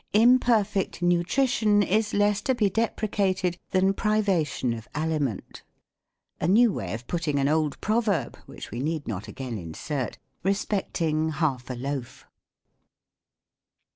Imperfect nutrhion is less to be deprecated than privation of aliment ;— a new way of putting an old proverb, which we need not again insert, respecting half a loaf.